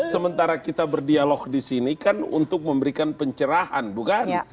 sementara kita berdialog di sini kan untuk memberikan pencerahan bukan